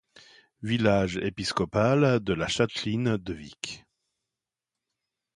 Village épiscopal de la châtellenie de Vic.